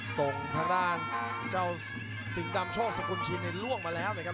ส่งทางด้านเจ้าสิงค์ดำโชคสมคุณชินในร่วงมาแล้วครับ